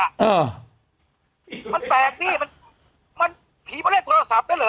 เออมันแปลกสิมันมันผีมาเล่นโทรศัพท์ได้เหรอ